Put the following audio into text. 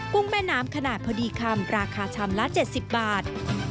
ุ้งแม่น้ำขนาดพอดีคำราคาชามละ๗๐บาท